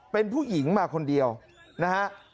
เป็นผู้หญิงมาคนเดียวนะฮะ